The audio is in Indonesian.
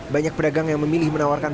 banyak pedagang yang memilih menawarkan